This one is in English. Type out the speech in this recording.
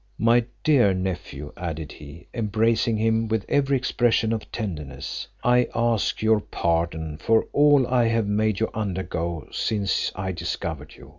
"My dear nephew," added he, embracing him with every expression of tenderness, "I ask your pardon for all I have made you undergo since I discovered you.